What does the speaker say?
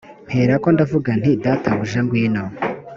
mperako ndavuga nti databuja ngwino